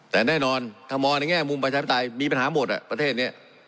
แต่แน่นอนถ้ามองในแง่มุมประชาธิปไตยมีปัญหาหมดประเทศนี้